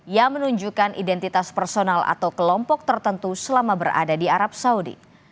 yang menunjukkan identitas personal atau kelompok tertentu selama berada di arab saudi